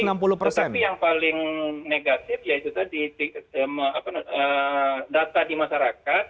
tetapi yang paling negatif yaitu tadi data di masyarakat